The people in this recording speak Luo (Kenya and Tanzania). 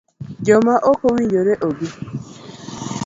Joma ok owinjore ibi